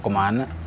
ke tempat yang lain